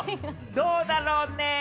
どうだろうね？